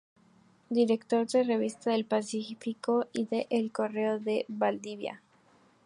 Director de Revista del Pacífico y del El Correo de Valdivia.